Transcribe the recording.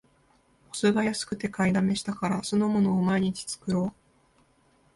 お酢が安くて買いだめしたから、酢の物を毎日作ろう